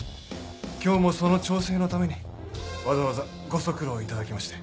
今日もその調整のためにわざわざご足労いただきまして。